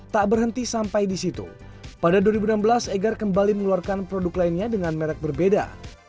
tak berhenti sampai di situ pada dua ribu enam belas egar kembali mengeluarkan produk lainnya dengan merek berbeda